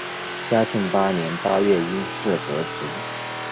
嘉庆八年八月因事革职。